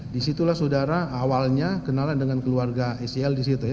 disitulah saudara awalnya kenalan dengan keluarga sel disitu ya